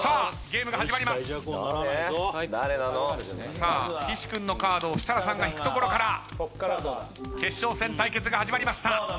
さあ岸君のカードを設楽さんが引くところから決勝戦対決が始まりました。